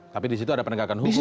tapi disitu ada penegakan hukum